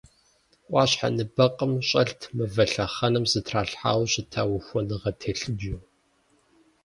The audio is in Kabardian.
Ӏуащхьэ ныбэкъым щӀэлът мывэ лъэхъэнэм зэтралъхьауэ щыта ухуэныгъэ телъыджэ.